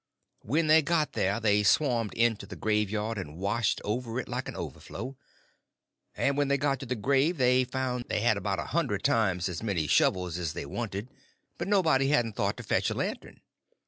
When they got there they swarmed into the graveyard and washed over it like an overflow. And when they got to the grave they found they had about a hundred times as many shovels as they wanted, but nobody hadn't thought to fetch a lantern.